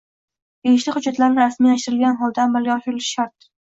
tegishli hujjatlarni rasmiylashtirilgan holda amalga oshirilishi shart.